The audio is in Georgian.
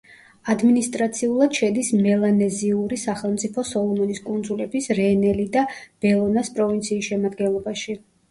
ადმინისტრაციულად შედის მელანეზიური სახელმწიფო სოლომონის კუნძულების რენელი და ბელონას პროვინციის შემადგენლობაში.